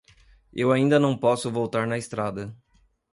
Eu ainda não posso voltar na estrada.